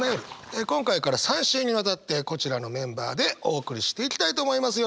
今回から３週にわたってこちらのメンバーでお送りしていきたいと思います。